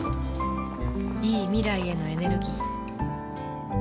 いい未来へのエネルギー